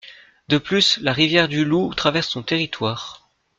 De plus, la rivière du Loup traverse son territoire.